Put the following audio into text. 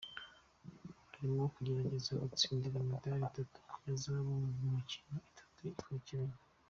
Arimo kugerageza gutsindira imidari itatu ya zahabu mu mikino itatu yikurikiranya.